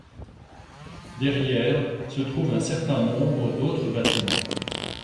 Derrière se trouvent un certain nombre d'autres bâtiments.